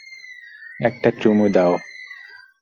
একটা চুমু দাও।